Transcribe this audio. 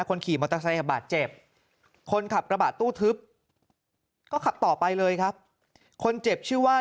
คนขี่มอเตอร์ไซค์บาดเจ็บคนขับกระบะตู้ทึบก็ขับต่อไปเลยครับคนเจ็บชื่อว่า